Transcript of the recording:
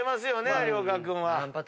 有岡君は。